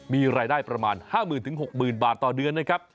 มีรายได้ประมาณ๕๐๐๐๖๐๐๐บาทต่อเดือนนะครับ